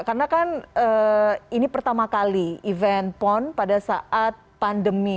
karena kan ini pertama kali event pon pada saat pandemi